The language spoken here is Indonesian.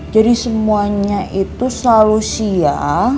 jadi semuanya itu selalu siang